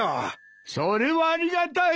それはありがたい。